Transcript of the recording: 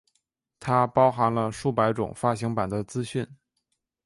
它包含了数百种发行版的资讯。